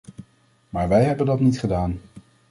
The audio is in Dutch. Maar wij hebben dat niet gedaan.